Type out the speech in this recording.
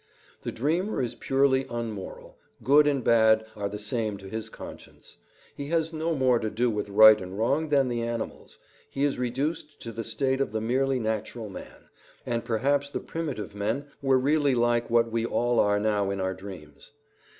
The dreamer is purely unmoral; good and bad are the same to his conscience; he has no more to do with right and wrong than the animals; he is reduced to the state of the merely natural man; and perhaps the primitive men were really like what we all are now in our dreams.